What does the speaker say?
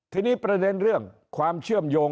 ทีนี้ประเด็นเรื่องความเชื่อมโยง